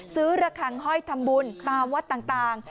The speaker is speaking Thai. ระคังห้อยทำบุญตามวัดต่าง